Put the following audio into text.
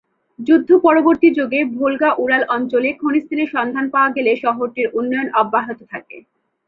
যুদ্ধ-পরবর্তী যুগে ভোলগা-উরাল অঞ্চলে খনিজ তেলের সন্ধান পাওয়া গেলে শহরটির উন্নয়ন অব্যাহত থাকে।